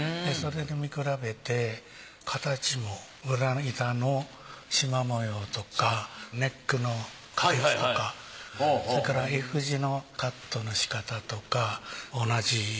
それで見比べて形も裏板の縞模様とかネックの形とかそれからｆ字のカットの仕方とか同じ。